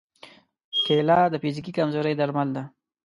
کېله د فزیکي کمزورۍ درمل ده.